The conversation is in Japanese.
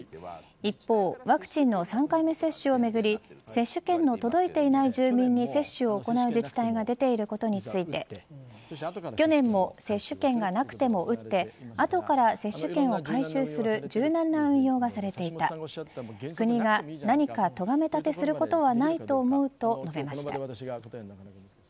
一方ワクチンの３回目接種をめぐり接種券の届いていない住民に接種を行う自治体が出ていることについて去年も接種券がなくても、打って後から接種券を回収する柔軟な運用がされていた国が何か、咎めだてすることはないと思うと述べました。